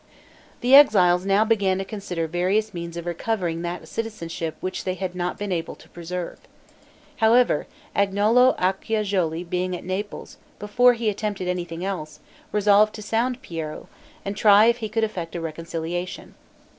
The exiles now began to consider various means of recovering that citizenship which they had not been able to preserve. However, Agnolo Acciajuoli being at Naples, before he attempted anything else, resolved to sound Piero, and try if he could effect a reconciliation.